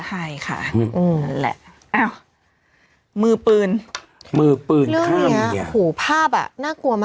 ใช่ค่ะอืมนั่นแหละเอ้ามือปืนมือปืนข้ามเนี้ยเรื่องเนี้ยหูภาพอ่ะน่ากลัวมากเลยอ่ะ